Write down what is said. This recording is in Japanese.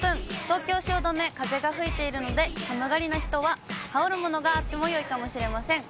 東京・汐留、風が吹いているので、寒がりな人は羽織るものがあってもよいかもしれません。